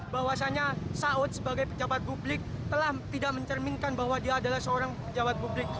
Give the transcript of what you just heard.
bahwasannya saud sebagai pejabat publik telah tidak mencerminkan bahwa dia adalah seorang pejabat publik